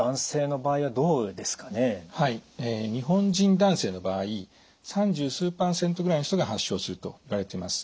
日本人男性の場合三十数％ぐらいの人が発症するといわれています。